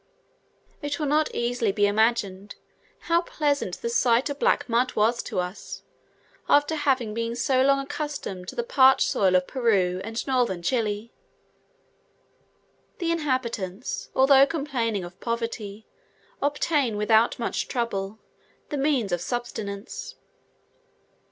It will not easily be imagined how pleasant the sight of black mud was to us, after having been so long, accustomed to the parched soil of Peru and northern Chile. The inhabitants, although complaining of poverty, obtain, without much trouble, the means of subsistence.